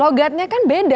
logatnya kan beda